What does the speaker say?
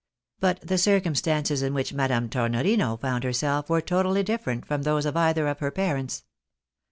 But the circumstances in which Madame Tornorino found herself were totally different from those of either of her parents.